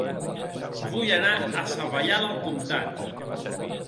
Vull anar a Savallà del Comtat